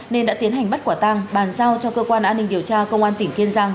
nên đã tiến hành bắt quả tang bàn giao cho cơ quan an ninh điều tra công an tỉnh kiên giang